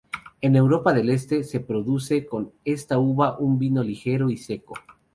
En Europa del Este, se produce con esta uva un vino ligero y seco.